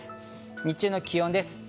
日中の気温です。